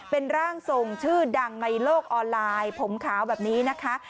เป็นร่างทรงชื่อดังในโลกออนไลน์ผมขาวแบบนี้นะคะ